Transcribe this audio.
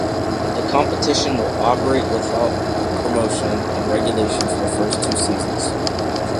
The competition will operate without promotion and relegation for the first two seasons.